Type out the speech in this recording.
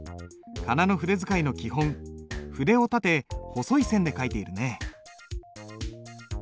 仮名の筆使いの基本筆を立て細い線で書いているね。